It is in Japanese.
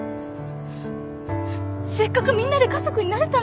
せっかくみんなで家族になれたのに。